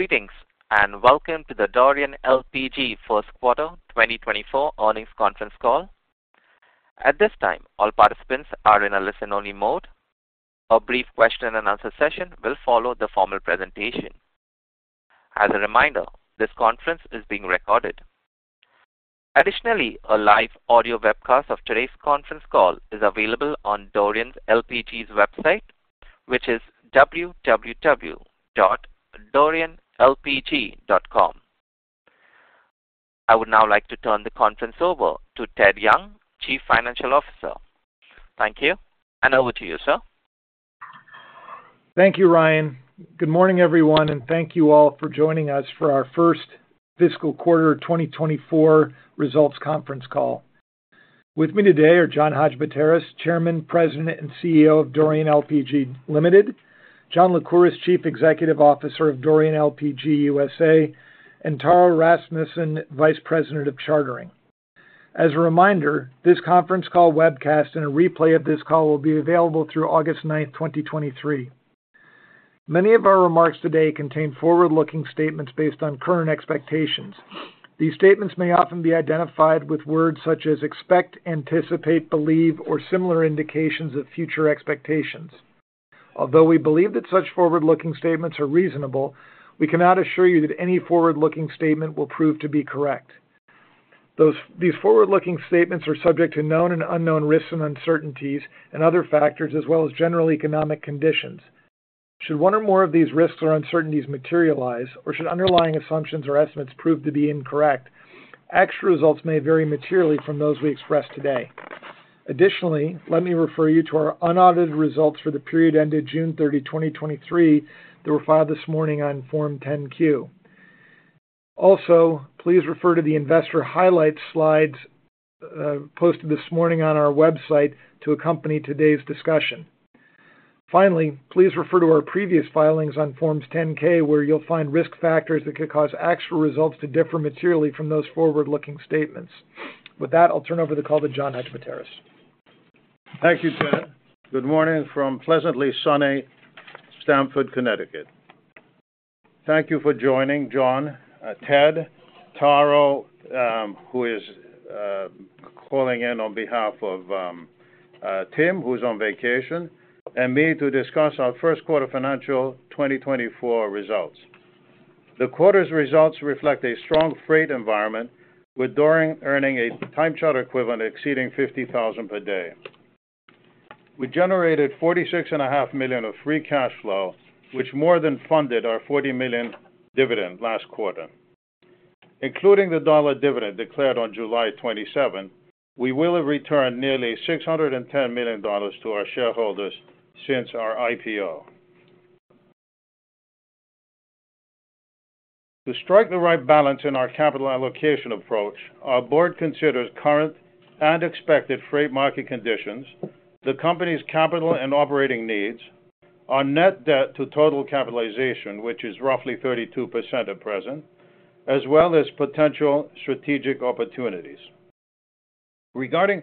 Greetings, welcome to the Dorian LPG first quarter 2024 earnings conference call. At this time, all participants are in a listen-only mode. A brief question and answer session will follow the formal presentation. As a reminder, this conference is being recorded. Additionally, a live audio webcast of today's conference call is available on Dorian LPG's website, which is www.dorianlpg.com. I would now like to turn the conference over to Theodore Young, Chief Financial Officer. Thank you, over to you, sir. Thank you, Ryan. Good morning, everyone, and thank you all for joining us for our first fiscal quarter 2024 results conference call. With me today are John Hadjipateras, Chairman, President, and CEO of Dorian LPG Ltd., John Lycouris, Chief Executive Officer of Dorian LPG, USA, and Taro Rasmussen, Vice President of Chartering. As a reminder, this conference call webcast and a replay of this call will be available through 9 August 2023. Many of our remarks today contain forward-looking statements based on current expectations. These statements may often be identified with words such as expect, anticipate, believe, or similar indications of future expectations. Although we believe that such forward-looking statements are reasonable, we cannot assure you that any forward-looking statement will prove to be correct. These forward-looking statements are subject to known and unknown risks and uncertainties and other factors, as well as general economic conditions. Should one or more of these risks or uncertainties materialize, or should underlying assumptions or estimates prove to be incorrect, actual results may vary materially from those we express today. Let me refer you to our unaudited results for the period ended 30 June 2023, that were filed this morning on Form 10-Q. Please refer to the investor highlights slides posted this morning on our website to accompany today's discussion. Please refer to our previous filings on Forms 10-K, where you'll find risk factors that could cause actual results to differ materially from those forward-looking statements. With that, I'll turn over the call to John Hadjipateras. Thank you, Ted. Good morning from pleasantly sunny Stamford, Connecticut. Thank you for joining John, Ted, Taro, who is calling in on behalf of Tim, who's on vacation, and me to discuss our first quarter financial 2024 results. The quarter's results reflect a strong freight environment, with Dorian earning a Time Charter Equivalent exceeding $50,000 per day. We generated $46.5 million of free cash flow, which more than funded our $40 million dividend last quarter. Including the dollar dividend declared on 27 July, we will have returned nearly $610 million to our shareholders since our IPO. To strike the right balance in our capital allocation approach, our board considers current and expected freight market conditions, the company's capital and operating needs, our net debt to total capitalization, which is roughly 32% at present, as well as potential strategic opportunities. Regarding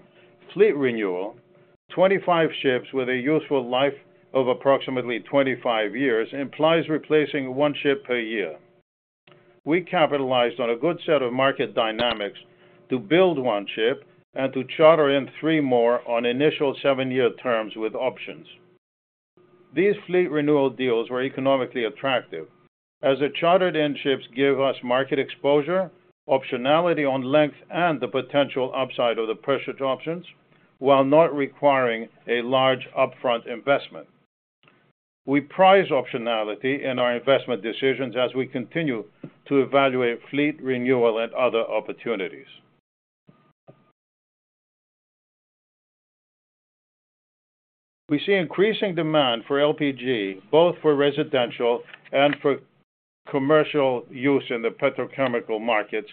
fleet renewal, 25 ships with a useful life of approximately 25 years implies replacing 1 ship per year. We capitalized on a good set of market dynamics to build one ship and to charter in three more on initial seven-year terms with options. These fleet renewal deals were economically attractive as the chartered-in ships give us market exposure, optionality on length, and the potential upside of the pressured options while not requiring a large upfront investment. We prize optionality in our investment decisions as we continue to evaluate fleet renewal and other opportunities. We see increasing demand for LPG, both for residential and for commercial use in the petrochemical markets,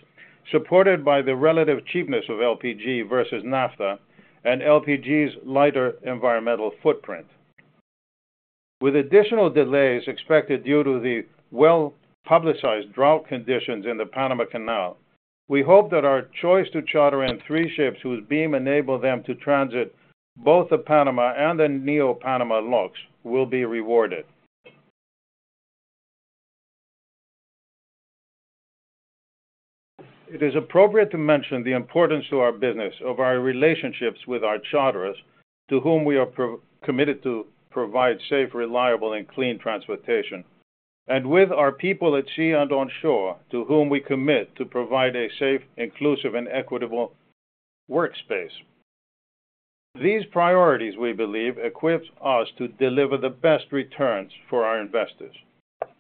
supported by the relative cheapness of LPG versus naphtha and LPG's lighter environmental footprint. With additional delays expected due to the well-publicized drought conditions in the Panama Canal, we hope that our choice to charter in three ships, whose beam enable them to transit both the Panama and the Neo-Panamax locks, will be rewarded. It is appropriate to mention the importance to our business of our relationships with our charterers, to whom we are committed to provide safe, reliable, and clean transportation, and with our people at sea and on shore, to whom we commit to provide a safe, inclusive, and equitable workspace. These priorities, we believe, equips us to deliver the best returns for our investors.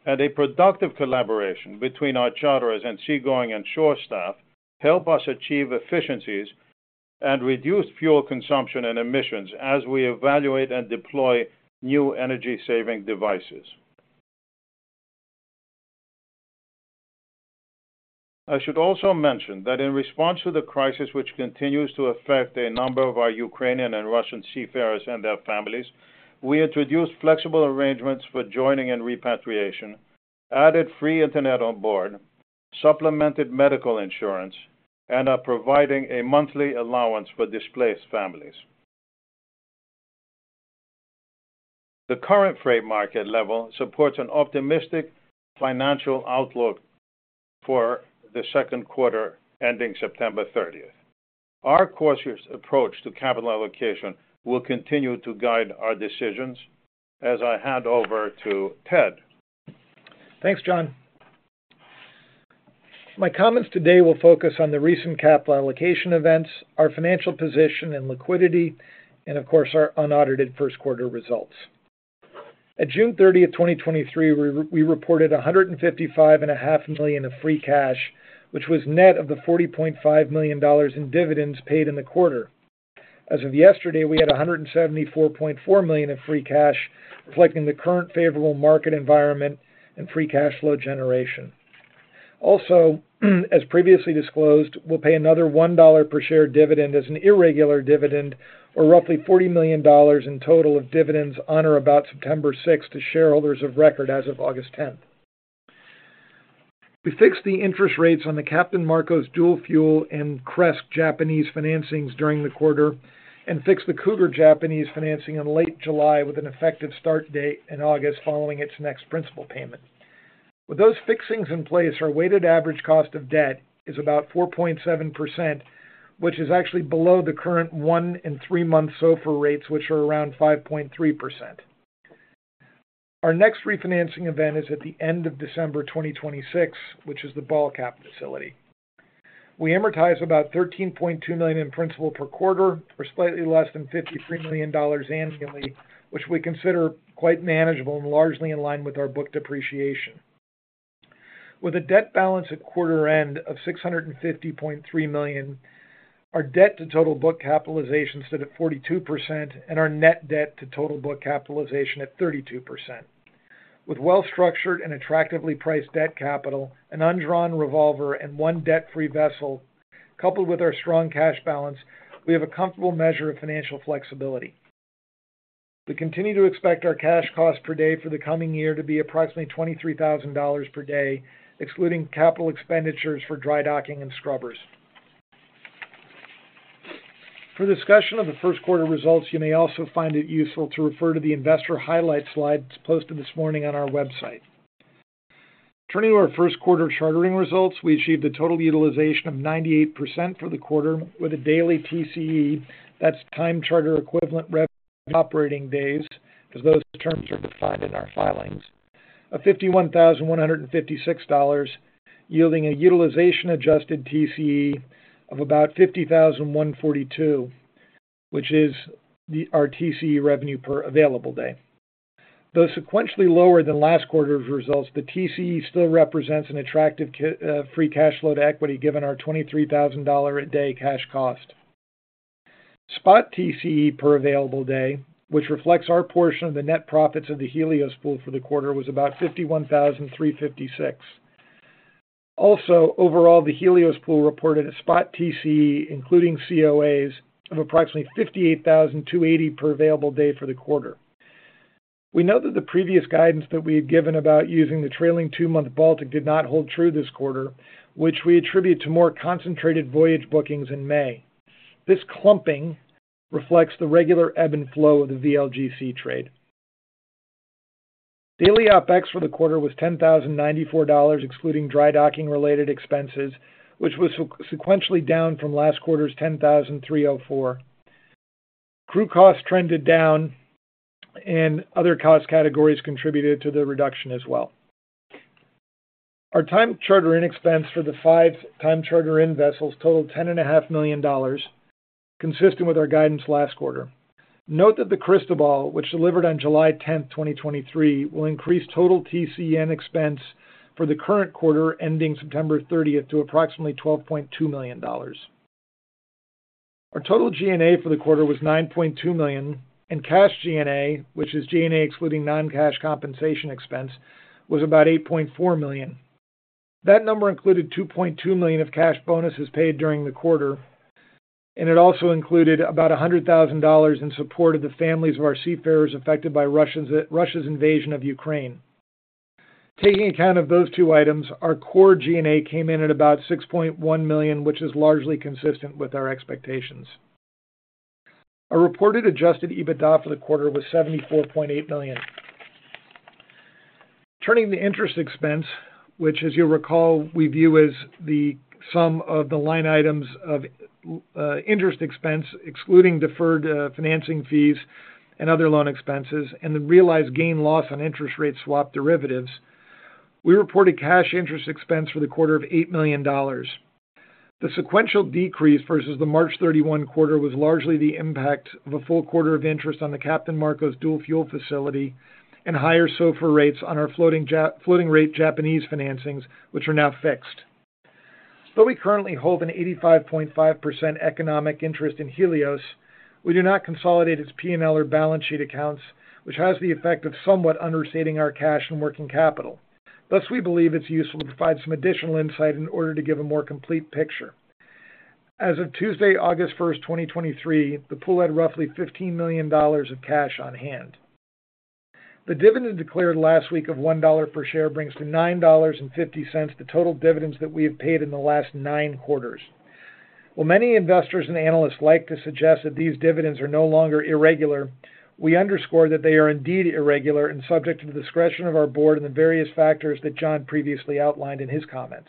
A productive collaboration between our charterers and seagoing and shore staff help us achieve efficiencies and reduce fuel consumption and emissions as we evaluate and deploy new energy-saving devices. I should also mention that in response to the crisis, which continues to affect a number of our Ukrainian and Russian seafarers and their families, we introduced flexible arrangements for joining and repatriation, added free internet on board, supplemented medical insurance, and are providing a monthly allowance for displaced families. The current freight market level supports an optimistic financial outlook for the 2nd quarter ending 30 September. Our cautious approach to capital allocation will continue to guide our decisions. As I hand over to Ted. Thanks, John. My comments today will focus on the recent capital allocation events, our financial position and liquidity, and of course, our unaudited first quarter results. At 30 June 2023, we reported $155.5 million of free cash, which was net of the $40.5 million in dividends paid in the quarter. As of yesterday, we had $174.4 million in free cash, reflecting the current favorable market environment and free cash flow generation. Also, as previously disclosed, we'll pay another $1 per share dividend as an irregular dividend, or roughly $40 million in total of dividends on or about 6 September to shareholders of record as of 10 August. We fixed the interest rates on the Captain Markos dual-fuel and Cresques Japanese financings during the quarter, fixed the Cougar Japanese financing in late July with an effective start date in August, following its next principal payment. With those fixings in place, our weighted average cost of debt is about 4.7%, which is actually below the current one in three months SOFR rates, which are around 5.3%. Our next refinancing event is at the end of December 2026, which is the BALTCAP facility. We amortize about $13.2 million in principal per quarter, or slightly less than $53 million annually, which we consider quite manageable and largely in line with our book depreciation. With a debt balance at quarter end of $650.3 million, our debt to total book capitalization stood at 42% and our net debt to total book capitalization at 32%. With well-structured and attractively priced debt capital, an undrawn revolver, and one debt-free vessel, coupled with our strong cash balance, we have a comfortable measure of financial flexibility. We continue to expect our cash cost per day for the coming year to be approximately $23,000 per day, excluding capital expenditures for dry docking and scrubbers. For discussion of the first quarter results, you may also find it useful to refer to the investor highlight slides posted this morning on our website. Turning to our first quarter chartering results, we achieved a total utilization of 98% for the quarter with a daily TCE. That's Time Charter Equivalent Revenue operating days, because those terms are defined in our filings. Of $51,156, yielding a utilization adjusted TCE of about $50,142, which is our TCE revenue per available day. Though sequentially lower than last quarter's results, the TCE still represents an attractive free cash flow to equity, given our $23,000 a day cash cost. Spot TCE per available day, which reflects our portion of the net profits of the Helios Pool for the quarter, was about $51,356. Overall, the Helios Pool reported a spot TCE, including COAs, of approximately $58,280 per available day for the quarter. We note that the previous guidance that we had given about using the trailing two-month Baltic did not hold true this quarter, which we attribute to more concentrated voyage bookings in May. This clumping reflects the regular ebb and flow of the VLGC trade. Daily OpEx for the quarter was $10,094, excluding dry docking-related expenses, which was sequentially down from last quarter's $10,304. Crew costs trended down, and other cost categories contributed to the reduction as well. Our time charter-in expense for the five time charter-in vessels totaled $10.5 million, consistent with our guidance last quarter. Note that the Cristobal, which delivered on July 10, 2023, will increase total TCI expense for the current quarter, ending 30 September, to approximately $12.2 million. Our total G&A for the quarter was $9.2 million. Cash G&A, which is G&A, excluding non-cash compensation expense, was about $8.4 million. That number included $2.2 million of cash bonuses paid during the quarter. It also included about $100,000 in support of the families of our seafarers affected by Russia's invasion of Ukraine. Taking account of those two items, our core G&A came in at about $6.1 million, which is largely consistent with our expectations. Our reported adjusted EBITDA for the quarter was $74.8 million. Turning to interest expense, which, as you'll recall, we view as the sum of the line items of interest expense, excluding deferred financing fees and other loan expenses, the realized gain loss on interest rate swap derivatives. We reported cash interest expense for the quarter of $8 million. The sequential decrease versus the 31 March quarter, was largely the impact of a full quarter of interest on the Captain Markos dual fuel facility and higher SOFR rates on our floating rate Japanese financings, which are now fixed. Though we currently hold an 85.5% economic interest in Helios, we do not consolidate its P&L or balance sheet accounts, which has the effect of somewhat understating our cash and working capital. Thus, we believe it's useful to provide some additional insight in order to give a more complete picture. As of Tuesday, 1 August 2023, the pool had roughly $15 million of cash on hand. The dividend declared last week of $1 per share brings to $9.50 the total dividends that we have paid in the last nine quarters. While many investors and analysts like to suggest that these dividends are no longer irregular, we underscore that they are indeed irregular and subject to the discretion of our board and the various factors that John previously outlined in his comments.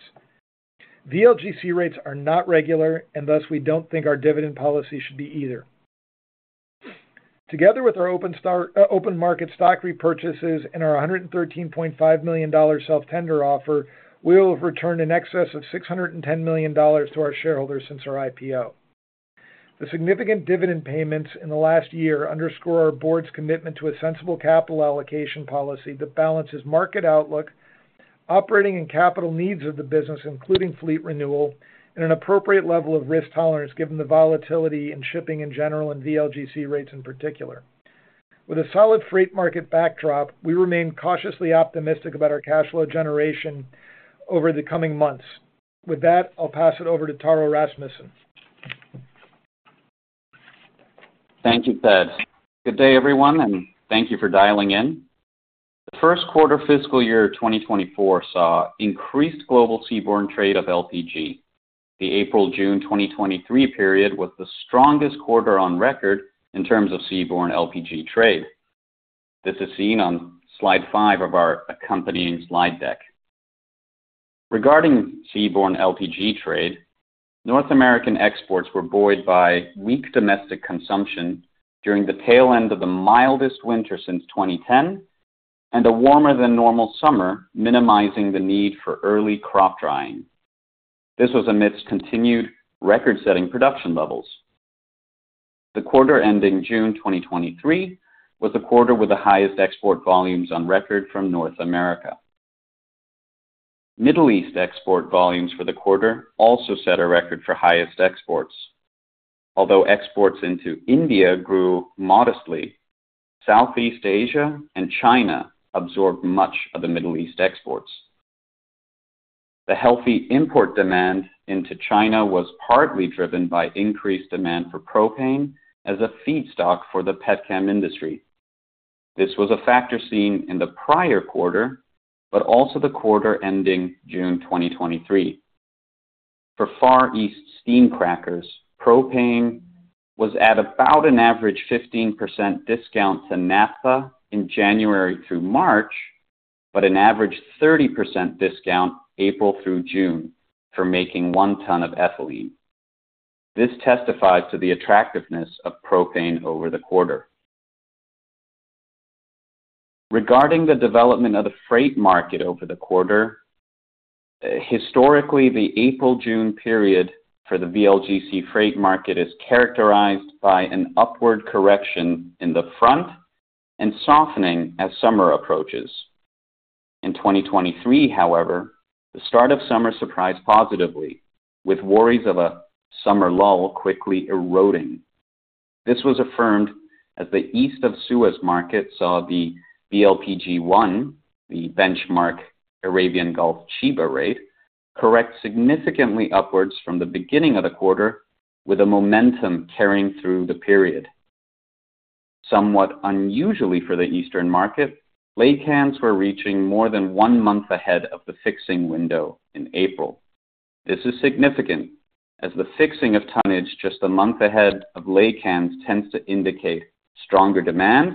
VLGC rates are not regular, and thus we don't think our dividend policy should be either. Together with our open market stock repurchases and our $113.5 million self-tender offer, we will have returned in excess of $610 million to our shareholders since our IPO. The significant dividend payments in the last year underscore our board's commitment to a sensible capital allocation policy that balances market outlook, operating and capital needs of the business, including fleet renewal, and an appropriate level of risk tolerance, given the volatility in shipping in general and VLGC rates in particular. With a solid freight market backdrop, we remain cautiously optimistic about our cash flow generation over the coming months. With that, I'll pass it over to Taro Rasmussen. Thank you, Ted. Good day, everyone, and thank you for dialing in. The first quarter fiscal year 2024 saw increased global seaborne trade of LPG. The April-June 2023 period was the strongest quarter on record in terms of seaborne LPG trade. This is seen on slide five of our accompanying slide deck. Regarding seaborne LPG trade, North American exports were buoyed by weak domestic consumption during the tail end of the mildest winter since 2010 and a warmer than normal summer, minimizing the need for early crop drying. This was amidst continued record-setting production levels. The quarter ending June 2023 was the quarter with the highest export volumes on record from North America. Middle East export volumes for the quarter also set a record for highest exports. Although exports into India grew modestly, Southeast Asia and China absorbed much of the Middle East exports. The healthy import demand into China was partly driven by increased demand for propane as a feedstock for the petchem industry. This was a factor seen in the prior quarter, but also the quarter ending June 2023. For Far East steam crackers, propane was at about an average 15% discount to naphtha in January through March, but an average 30% discount April through June for making 1 ton of ethylene. This testifies to the attractiveness of propane over the quarter. Regarding the development of the freight market over the quarter, historically, the April-June period for the VLGC freight market is characterized by an upward correction in the front and softening as summer approaches. In 2023, however, the start of summer surprised positively, with worries of a summer lull quickly eroding. This was affirmed as the East of Suez market saw the VLGC1, the benchmark Arabian Gulf Chiba rate, correct significantly upwards from the beginning of the quarter, with a momentum carrying through the period. Somewhat unusually for the Eastern market, laycans were reaching more than one month ahead of the fixing window in April. This is significant, as the fixing of tonnage just a month ahead of laycans tends to indicate stronger demand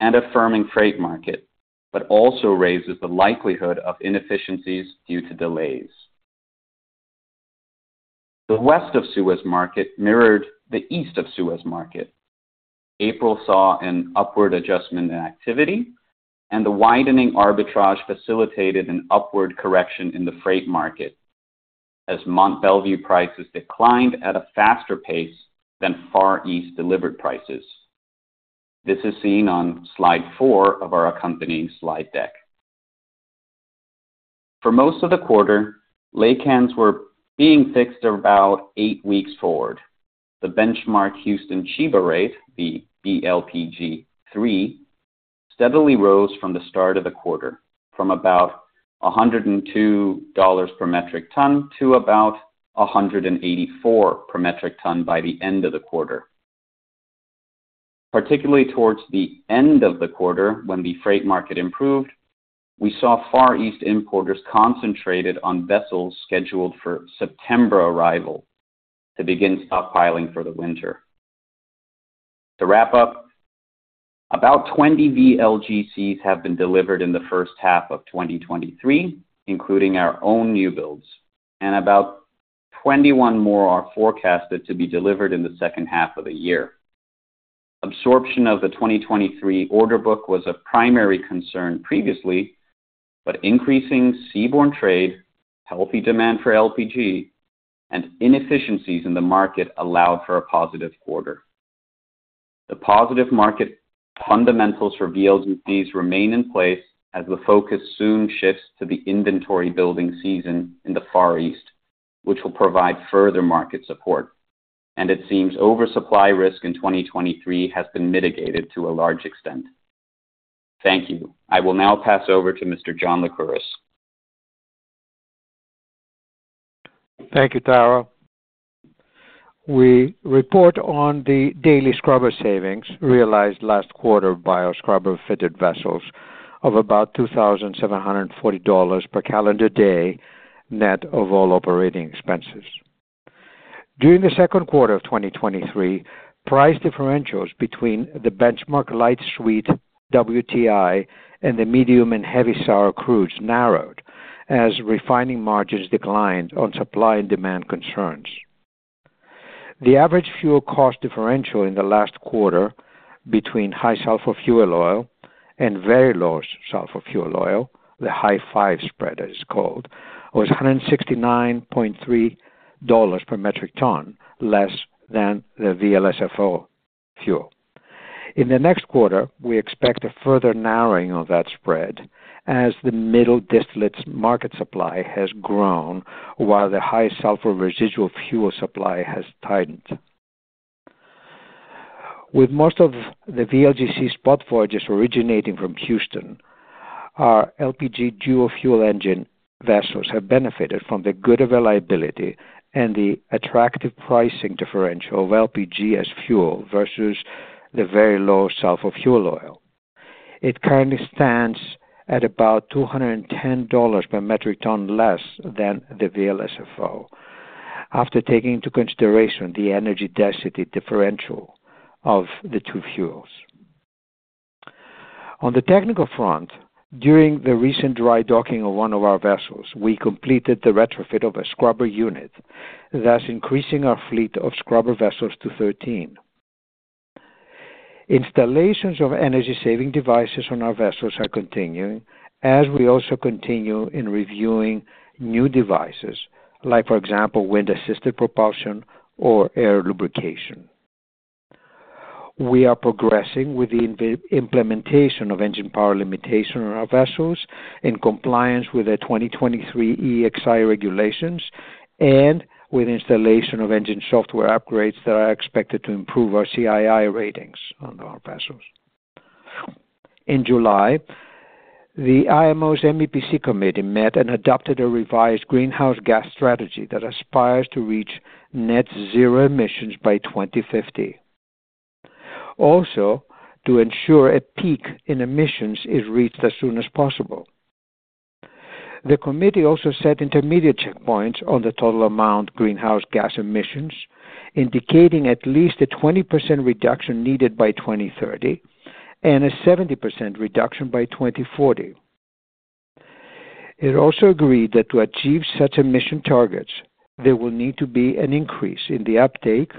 and a firming freight market, but also raises the likelihood of inefficiencies due to delays. The West of Suez market mirrored the East of Suez market. April saw an upward adjustment in activity and the widening arbitrage facilitated an upward correction in the freight market as Mont Belvieu prices declined at a faster pace than Far East delivered prices. This is seen on slide four of our accompanying slide deck. For most of the quarter, laycans were being fixed about eight weeks forward. The benchmark Houston Chiba rate, the BLPG3, steadily rose from the start of the quarter, from about $102 per metric ton to about $184 per metric ton by the end of the quarter. Particularly towards the end of the quarter, when the freight market improved, we saw Far East importers concentrated on vessels scheduled for September arrival to begin stockpiling for the winter. To wrap up, about 20 VLGCs have been delivered in the first half of 2023, including our own new builds, and about 21 more are forecasted to be delivered in the second half of the year. Absorption of the 2023 order book was a primary concern previously, but increasing seaborne trade, healthy demand for LPG, and inefficiencies in the market allowed for a positive quarter. The positive market fundamentals for VLGCs remain in place as the focus soon shifts to the inventory building season in the Far East, which will provide further market support. It seems oversupply risk in 2023 has been mitigated to a large extent. Thank you. I will now pass over to Mr. John Lycouris. Thank you, Taro. We report on the daily scrubber savings realized last quarter by our scrubber-fitted vessels of about $2,740 per calendar day, net of all operating expenses. During the second quarter of 2023, price differentials between the benchmark light sweet WTI and the medium and heavy sour crudes narrowed as refining margins declined on supply and demand concerns. The average fuel cost differential in the last quarter between high sulfur fuel oil and very low sulfur fuel oil, the Hi-5 spread, as it's called, was $169.3 per metric ton, less than the VLSFO fuel. In the next quarter, we expect a further narrowing of that spread as the middle distillate market supply has grown, while the high sulfur residual fuel supply has tightened. With most of the VLGC spot voyages originating from Houston, our LPG dual-fuel engine vessels have benefited from the good availability and the attractive pricing differential of LPG as fuel versus the very low sulfur fuel oil. It currently stands at about $210 per metric ton, less than the VLSFO, after taking into consideration the energy density differential of the two fuels. On the technical front, during the recent dry docking of one of our vessels, we completed the retrofit of a scrubber unit, thus increasing our fleet of scrubber vessels to 13. Installations of energy-saving devices on our vessels are continuing, as we also continue in reviewing new devices like, for example, wind-assisted propulsion or air lubrication. We are progressing with the implementation of engine power limitation on our vessels in compliance with the 2023 EEXI regulations and with installation of engine software upgrades that are expected to improve our CII ratings on our vessels. In July, the IMO's MEPC committee met and adopted a revised greenhouse gas strategy that aspires to reach net zero emissions by 2050. To ensure a peak in emissions is reached as soon as possible. The committee also set intermediate checkpoints on the total amount greenhouse gas emissions, indicating at least a 20% reduction needed by 2030 and a 70% reduction by 2040. It also agreed that to achieve such emission targets, there will need to be an increase in the uptake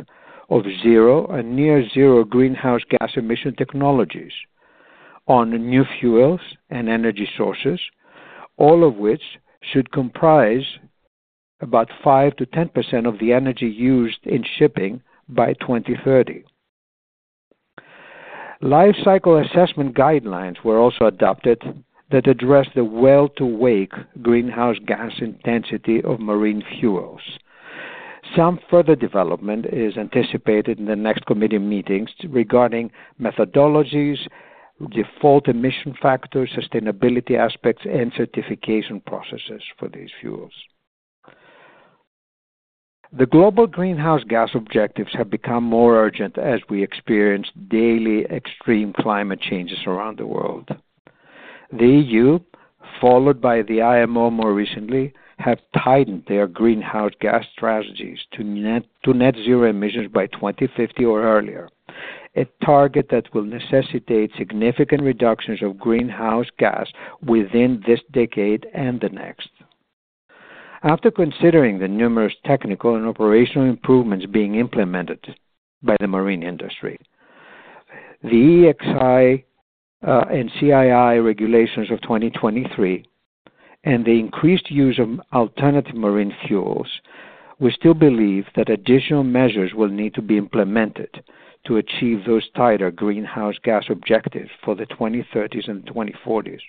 of zero and near zero greenhouse gas emission technologies on new fuels and energy sources, all of which should comprise about 5%-10% of the energy used in shipping by 2030. Life cycle assessment guidelines were also adopted that address the well-to-wake greenhouse gas intensity of marine fuels. Some further development is anticipated in the next committee meetings regarding methodologies, default emission factors, sustainability aspects, and certification processes for these fuels. The global greenhouse gas objectives have become more urgent as we experience daily extreme climate changes around the world. The EU, followed by the IMO more recently, have tightened their greenhouse gas strategies to net zero emissions by 2050 or earlier, a target that will necessitate significant reductions of greenhouse gas within this decade and the next. After considering the numerous technical and operational improvements being implemented by the marine industry, the EEXI and CII regulations of 2023 and the increased use of alternative marine fuels, we still believe that additional measures will need to be implemented to achieve those tighter greenhouse gas objectives for the 2030s and 2040s.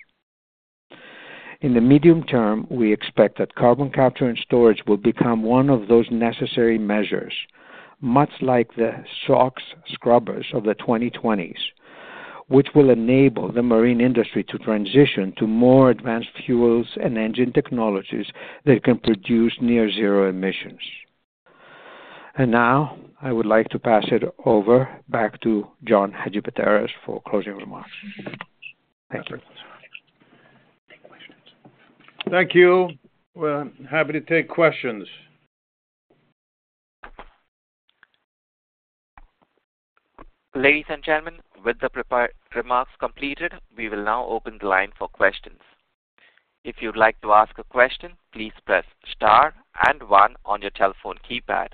In the medium term, we expect that carbon capture and storage will become one of those necessary measures, much like the SOx scrubbers of the 2020s, which will enable the marine industry to transition to more advanced fuels and engine technologies that can produce near zero emissions. Now I would like to pass it over back to John Hadjipateras for closing remarks. Thank you. Thank you. We're happy to take questions. Ladies and gentlemen, with the prepared remarks completed, we will now open the line for questions. If you'd like to ask a question, please press Star and One on your telephone keypad.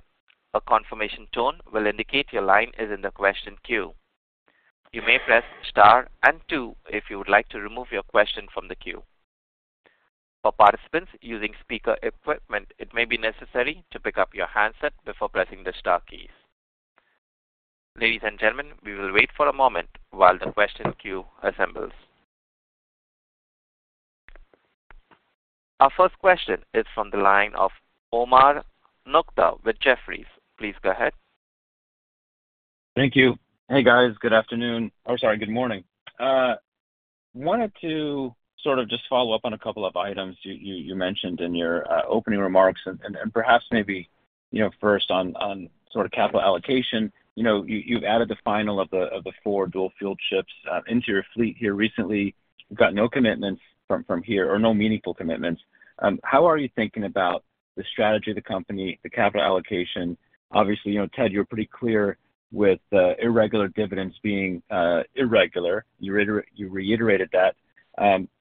A confirmation tone will indicate your line is in the question queue. You may press Star and Two if you would like to remove your question from the queue. For participants using speaker equipment, it may be necessary to pick up your handset before pressing the star key. Ladies and gentlemen, we will wait for a moment while the question queue assembles. Our first question is from the line of Omar Nokta with Jefferies. Please go ahead. Thank you. Hey, guys, good afternoon. Oh, sorry, good morning. Wanted to sort of just follow up on a couple of items you, you, you mentioned in your opening remarks and perhaps maybe, you know, first on sort of capital allocation. You know, you, you've added the final of the four dual-fueled ships into your fleet here recently. You've got no commitments from here or no meaningful commitments. How are you thinking about the strategy of the company, the capital allocation? Obviously, you know, Ted, you're pretty clear with irregular dividends being irregular. You reiterated that.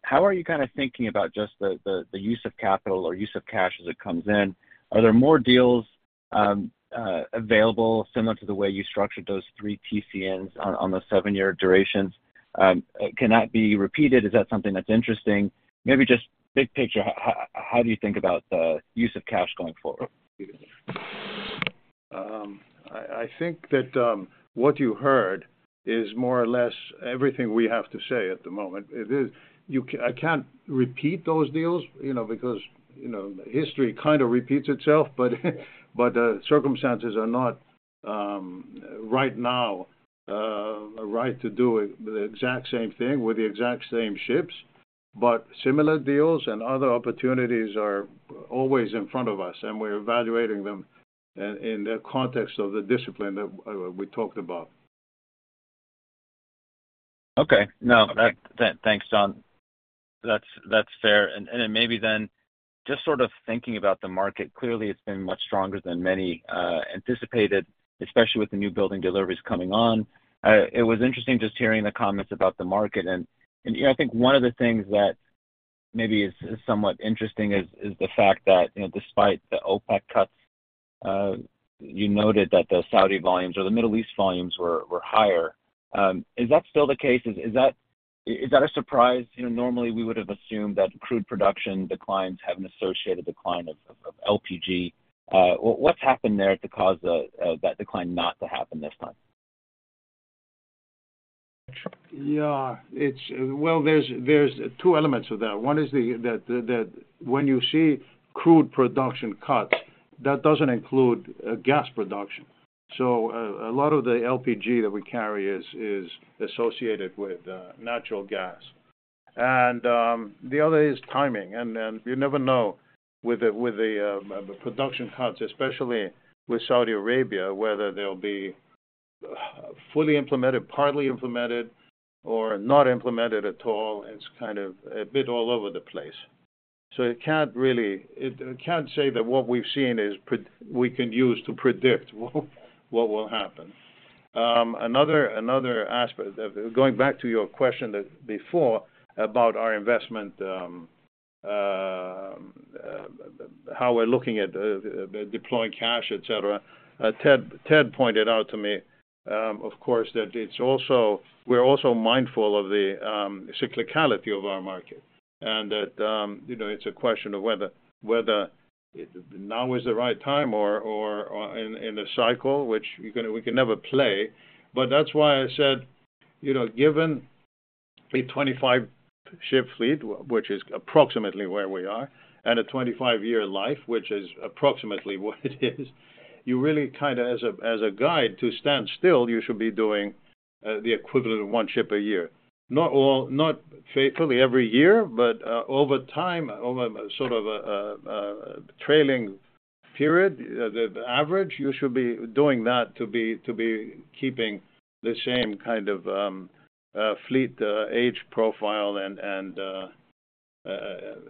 How are you kinda thinking about just the use of capital or use of cash as it comes in? Are there more deals, available, similar to the way you structured those three TCNs on, on the seven-year durations? Can that be repeated? Is that something that's interesting? Maybe just big picture, how do you think about the use of cash going forward? I, I think that, what you heard is more or less everything we have to say at the moment. It is, I can't repeat those deals, you know, because, you know, history kind of repeats itself, but, but, circumstances are not, right now, right to do it, the exact same thing with the exact same ships. Similar deals and other opportunities are always in front of us, and we're evaluating them in, in the context of the discipline that w-we talked about. Okay. No, that thanks John. That's, that's fair. Maybe then just sort of thinking about the market, clearly, it's been much stronger than many anticipated, especially with the new building deliveries coming on. It was interesting just hearing the comments about the market. You know, I think one of the things that maybe is, is somewhat interesting is, is the fact that, you know, despite the OPEC cuts, you noted that the Saudi volumes or the Middle East volumes were higher. Is that still the case? Is, is that, is that a surprise? You know, normally we would have assumed that crude production declines have an associated decline of, of, of LPG. What's happened there to cause the that decline not to happen this time? Yeah, it's. Well, there's two elements of that. One is the, that, the, that when you see crude production cuts, that doesn't include gas production. A lot of the LPG that we carry is associated with natural gas. The other is timing, and then you never know with the production cuts, especially with Saudi Arabia, whether they'll be fully implemented, partly implemented, or not implemented at all. It's kind of a bit all over the place. It can't really, we can't say that what we've seen is pre- we can use to predict what will happen. Another, another aspect, going back to your question that before about our investment, how we're looking at the deploying cash, et cetera. Ted, Ted pointed out to me, of course, that it's also, we're also mindful of the cyclicality of our market and that, you know, it's a question of whether, whether now is the right time or, or, or in, in the cycle, which we can, we can never play. That's why I said, you know, given a 25 ship fleet, which is approximately where we are, and a 25 year life, which is approximately what it is, you really kind of as a, as a guide to stand still, you should be doing, the equivalent of one ship a year. Not all, not faithfully every year, but over time, over sort of a trailing period, the average, you should be doing that to be keeping the same kind of fleet age profile and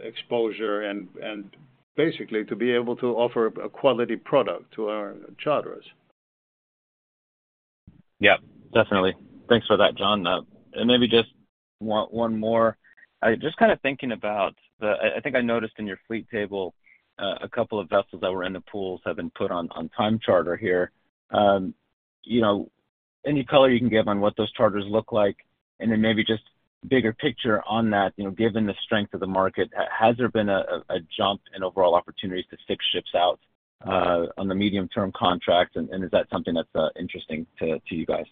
exposure and basically to be able to offer a quality product to our charterers. Yeah, definitely. Thanks for that, John. Maybe just one, one more. I just kinda thinking about the. I think I noticed in your fleet table, a couple of vessels that were in the pools have been put on time charter here. You know, any color you can give on what those charters look like? Then maybe just bigger picture on that, you know, given the strength of the market, has there been a jump in overall opportunities to fix ships out on the medium-term contracts? Is that something that's interesting to you guys?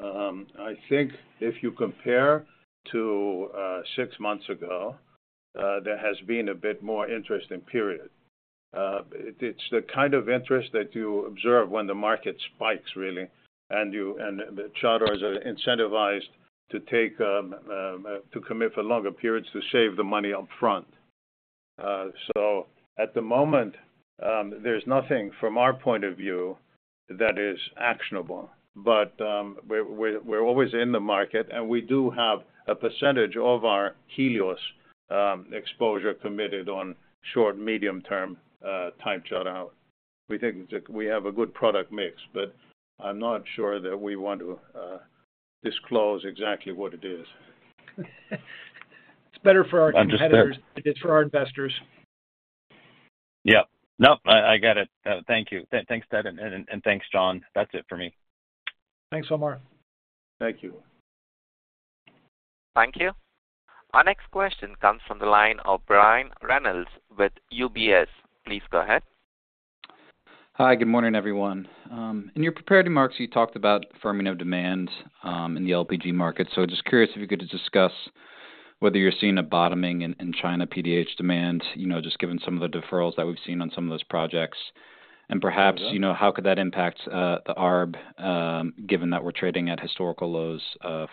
I think if you compare to six months ago, there has been a bit more interest in period. It, it's the kind of interest that you observe when the market spikes, really, and the charterers are incentivized to take to commit for longer periods to save the money upfront. At the moment, there's nothing from our point of view that is actionable, but we're, we're, we're always in the market, and we do have a percentage of our Helios exposure committed on short, medium-term time charter out. We think that we have a good product mix, but I'm not sure that we want to disclose exactly what it is. It's better for our competitors than it is for our investors. Yeah. No, I, I get it. Thank you. Thanks, Ted, and thanks, John. That's it for me. Thanks, Omar. Thank you. Thank you. Our next question comes from the line of Brian Reynolds with UBS. Please go ahead. Hi, good morning, everyone. In your prepared remarks, you talked about firming of demand, in the LPG market. Just curious if you could just discuss whether you're seeing a bottoming in, in China PDH demand, you know, just given some of the deferrals that we've seen on some of those projects. Perhaps, you know, how could that impact the ARB, given that we're trading at historical lows,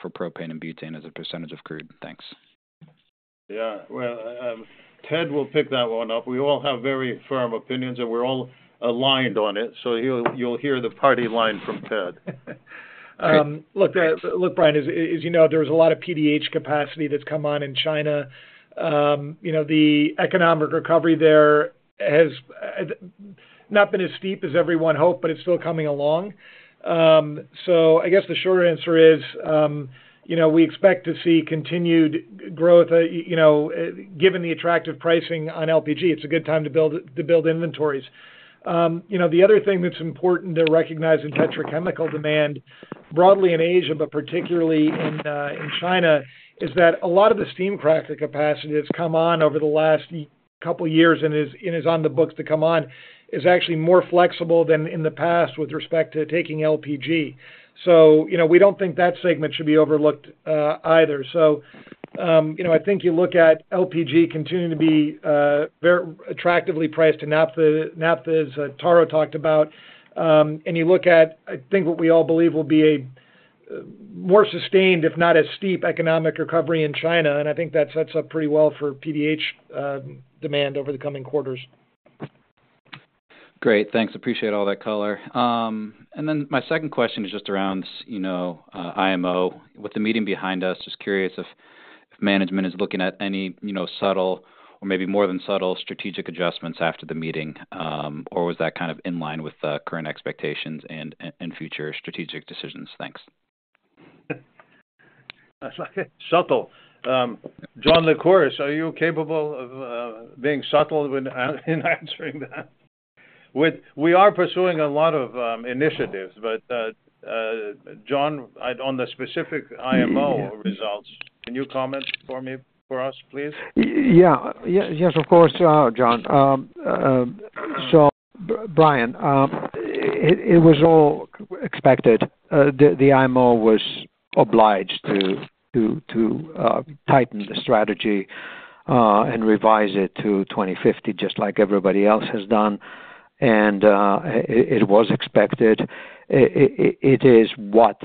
for propane and butane as a percentage of crude? Thanks. Yeah, well, Ted will pick that one up. We all have very firm opinions, and we're all aligned on it, so you'll, you'll hear the party line from Ted. Look, look, Brian, as, as you know, there's a lot of PDH capacity that's come on in China. You know, the economic recovery there has not been as steep as everyone hoped, but it's still coming along. I guess the short answer is, you know, we expect to see continued growth, you know, given the attractive pricing on LPG, it's a good time to build, to build inventories. You know, the other thing that's important to recognize in petrochemical demand, broadly in Asia, but particularly in China, is that a lot of the steam cracker capacity that's come on over the last couple of years and is, and is on the books to come on, is actually more flexible than in the past with respect to taking LPG. You know, we don't think that segment should be overlooked, either. You know, I think you look at LPG continuing to be very attractively priced to naphtha, naphthas, as Taro talked about. You look at, I think, what we all believe will be a more sustained, if not as steep, economic recovery in China, and I think that sets up pretty well for PDH demand over the coming quarters. Great, thanks. Appreciate all that color. My second question is just around, you know, IMO. With the meeting behind us, just curious if management is looking at any, you know, subtle or maybe more than subtle strategic adjustments after the meeting, or was that kind of in line with the current expectations and future strategic decisions? Thanks. That's okay. Subtle. John Lycouris, are you capable of being subtle when, in answering that? We are pursuing a lot of initiatives, but John, on the specific IMO results, can you comment for me, for us, please? Yeah. Yes, of course, John. So Brian, it was all expected. The IMO was obliged to tighten the strategy and revise it to 2050, just like everybody else has done, and it was expected. It is what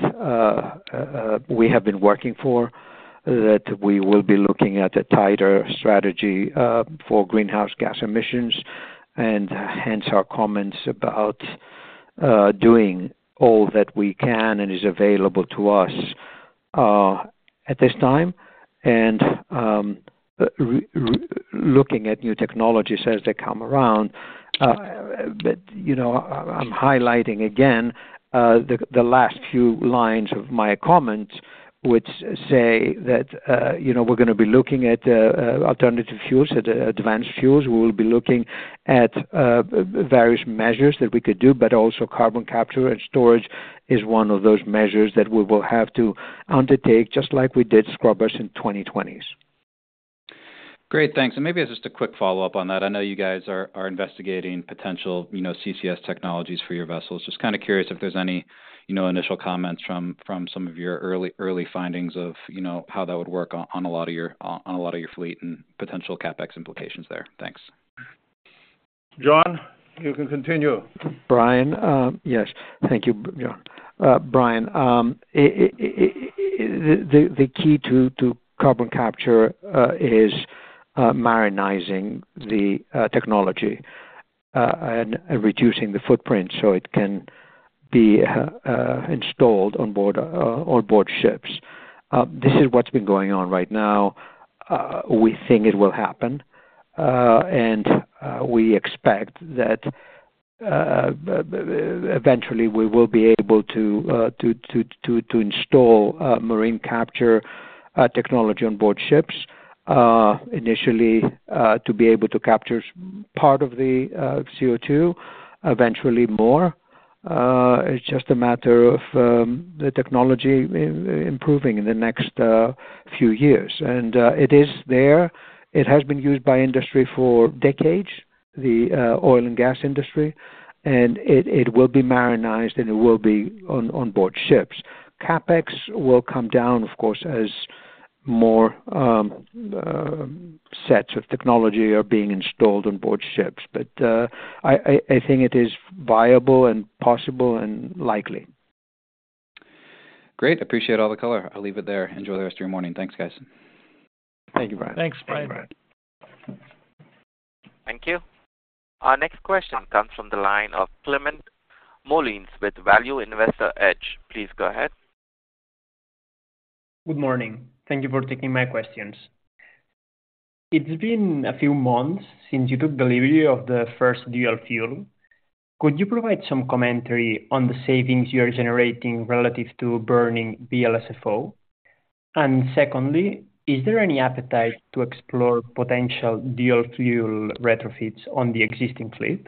we have been working for, that we will be looking at a tighter strategy for greenhouse gas emissions, and hence our comments about doing all that we can and is available to us at this time. Looking at new technologies as they come around. But, you know, I'm highlighting again the last few lines of my comments, which say that, you know, we're gonna be looking at alternative fuels, at advanced fuels. We will be looking at various measures that we could do, but also carbon capture and storage is one of those measures that we will have to undertake, just like we did scrubbers in 2020s. Great, thanks. Maybe just a quick follow-up on that. I know you guys are investigating potential, you know, CCS technologies for your vessels. Just kind of curious if there's any, you know, initial comments from some of your early findings of, you know, how that would work on a lot of your fleet and potential CapEx implications there? Thanks. John, you can continue. Brian, yes, thank you, John. Brian, it, it, it, the, the, the key to, to carbon capture, is marinizing the technology, and reducing the footprint so it can be installed on board, on board ships. This is what's been going on right now. We think it will happen, and we expect that eventually we will be able to, to, to, to, to install, marine capture, technology on board ships. Initially, to be able to capture part of the CO2, eventually more. It's just a matter of the technology improving in the next few years. It is there. It has been used by industry for decades, the oil and gas industry, and it, it will be marinized, and it will be on, on board ships. CapEx will come down, of course, as more sets of technology are being installed on board ships. I, I, I think it is viable and possible and likely. Great. Appreciate all the color. I'll leave it there. Enjoy the rest of your morning. Thanks, guys. Thank you, Brian. Thanks, Brian. Thanks. Thank you. Our next question comes from the line of Climent Molins with Value Investor's Edge. Please go ahead. Good morning. Thank you for taking my questions. It's been a few months since you took delivery of the first dual-fuel. Could you provide some commentary on the savings you are generating relative to burning VLSFO? Secondly, is there any appetite to explore potential dual-fuel retrofits on the existing fleet?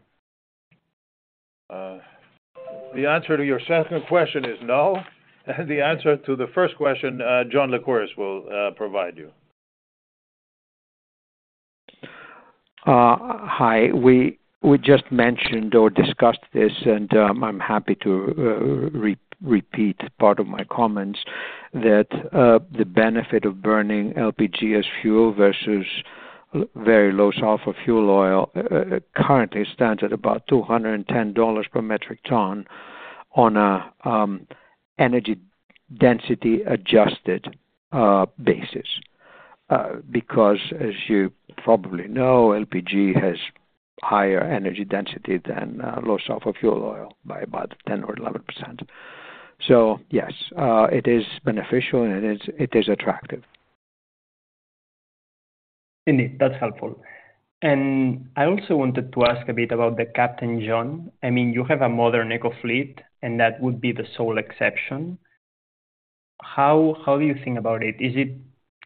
The answer to your second question is no. The answer to the first question, John Lycouris will provide you. Hi. We, we just mentioned or discussed this. I'm happy to re-repeat part of my comments, that the benefit of burning LPG as fuel versus v-very low sulfur fuel oil, currently stands at about $210 per metric ton on a energy density-adjusted basis. As you probably know, LPG has higher energy density than low sulfur fuel oil by about 10% or 11%. Yes, it is beneficial, and it is, it is attractive. Indeed, that's helpful. I also wanted to ask a bit about the Captain John. I mean, you have a modern eco fleet, and that would be the sole exception. How, how do you think about it? Is it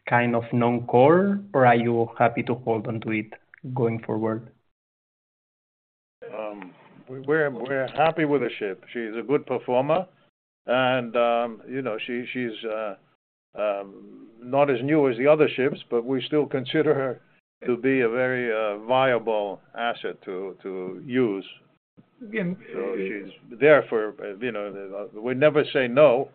kind of non-core, or are you happy to hold on to it going forward? We're, we're happy with the ship. She's a good performer, and, you know, she, she's not as new as the other ships, but we still consider her to be a very viable asset to, to use. She's there for, you know, we never say no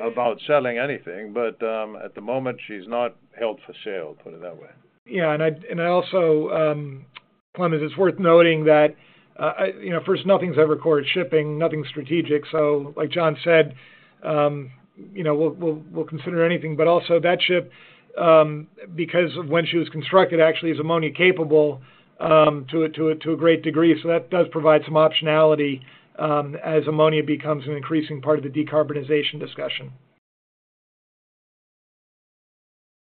about selling anything, but, at the moment, she's not held for sale, put it that way. Yeah, and I, and I also, Clement, it's worth noting that, You know, first, nothing's ever core shipping, nothing strategic. Like John said, you know, we'll, we'll, we'll consider anything, but also that ship, because of when she was constructed, actually, is ammonia capable, to a, to a, to a great degree. That does provide some optionality, as ammonia becomes an increasing part of the decarbonization discussion.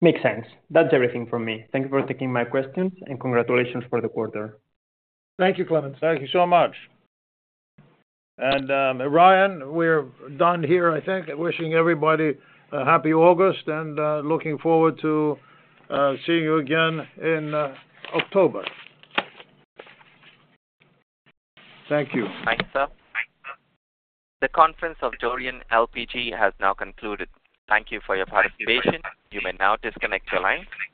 Makes sense. That's everything from me. Thank you for taking my questions. Congratulations for the quarter. Thank you, Clement. Thank you so much. Ryan, we're done here, I think. Wishing everybody a happy August, and looking forward to seeing you again in October. Thank you. Thanks, sir. The conference of Dorian LPG has now concluded. Thank you for your participation. You may now disconnect your line.